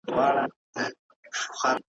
د ميرويس نيکه پيوند دی ,